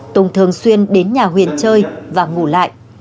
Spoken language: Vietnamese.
tùng thường xuyên đến nhà huyền chơi và ngủ lại